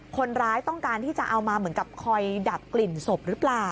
คนร้ายต้องการที่จะเอามาเหมือนกับคอยดับกลิ่นศพหรือเปล่า